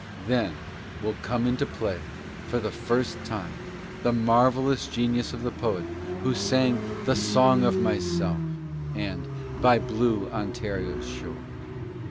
Then will come into play, for the first time, the marvellous genius of the poet who sang the "Song of Myself" and "By Blue Ontario's Shore.'"'